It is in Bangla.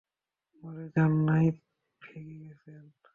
মরে যান নাই, ভেগে গেছেন।